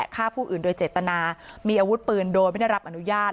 ฆ่าผู้อื่นโดยเจตนามีอาวุธปืนโดยไม่ได้รับอนุญาต